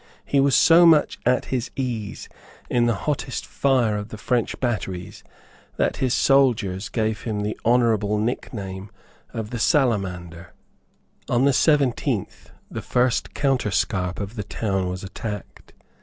He was so much at his ease in the hottest fire of the French batteries that his soldiers gave him the honourable nickname of the Salamander. On the seventeenth the first counterscarp of the town was attacked.